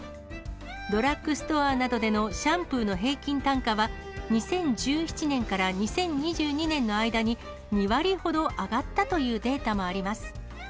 ドラッグストアなどでのシャンプーの平均単価は、２０１７年から２０２２年の間に、２割ほど上がったというデータもあります。